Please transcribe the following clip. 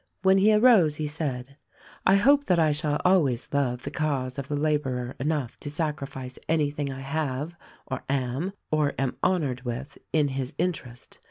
When he arose he said, "I hope that I shall always love the cause of the laborer enough to sacrifice anything I have or am or am honored with, in his interest.